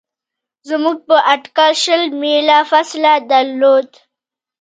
زموږ په اټکل شل میله فاصله درلوده.